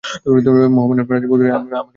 মহামান্য রানি পৌঁছালে আমাকে জানাবেন।